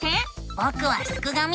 ぼくはすくがミ。